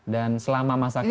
dan selama masaknya